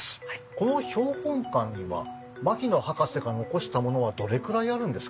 この標本館には牧野博士が残したものはどれくらいあるんですか？